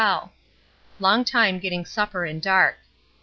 fell. Long time getting supper in dark.